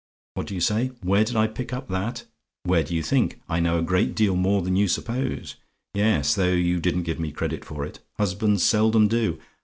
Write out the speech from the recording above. "What do you say? "WHERE DID I PICK UP THAT? "Where do you think? I know a great deal more than you suppose yes; though you don't give me credit for it. Husbands seldom do.